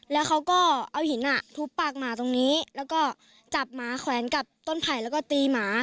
แล้วเขาก็เอาหินอ่ะทุบปากหมาตรงนี้แล้วก็จับหมาแขวนกับต้นไผ่แล้วก็ตีหมา